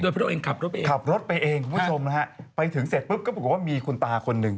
โดยพระองค์เองขับรถไปเองคุณผู้ชมนะฮะไปถึงเสร็จปุ๊บก็บอกว่ามีคุณตาคนนึง